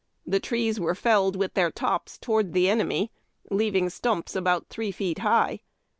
The trees were felled with tlieir tops toward the enemy, leaving stumps about three feet high.